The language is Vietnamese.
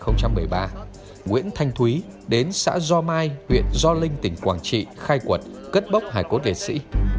nguyễn thanh thúy đến xã gio mai huyện gio linh tỉnh quảng trị khai quật cất bóc hải cốt liệt sĩ